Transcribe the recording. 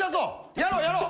やろうやろう！